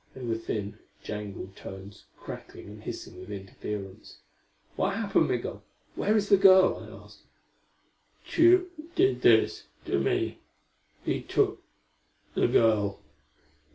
They were thin, jangled tones, crackling and hissing with interference. "What happened, Migul? Where is the girl?" I asked. "Tugh did this to me. He took the girl."